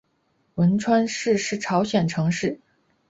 文川市是朝鲜城市。